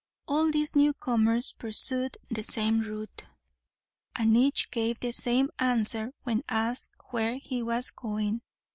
All these new comers pursued the same route, and each gave the same answer when asked where he was going.